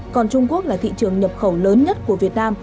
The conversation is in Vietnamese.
còn trung quốc là thị trường nhập khẩu lớn nhất của việt nam